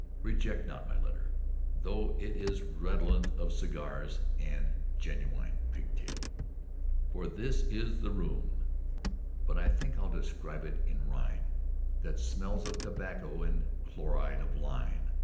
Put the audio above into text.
Reject not my letter, though it is redolent of cigars and genuine pigtail; for this is the room _The room, but I think I'll describe it in rhyme, That smells of tobacco and chloride of lime.